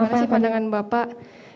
bagaimana pandangan bapak